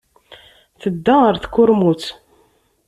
Tedda ɣer tkurmut.